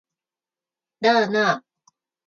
なあなあ